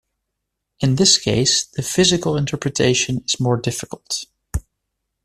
In this case, the physical interpretation is more difficult.